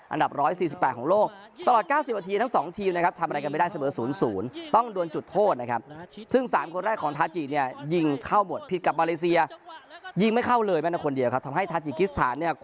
อันดับ๑๔๘ของโลกตลอด๙๐วันทีทั้ง๒ทีมนะครับ